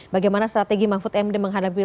bagaimana strategi mahfud md menghadapi